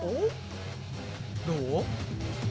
どう？